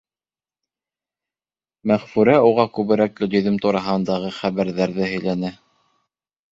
Мәғфүрә уға күберәк Гөлйөҙөм тураһындағы хәбәрҙәрҙе һөйләне.